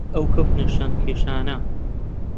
ئەو کەوتنە شان کێشانە